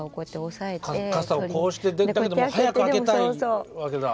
傘をこうしてでも早く開けたいわけだ。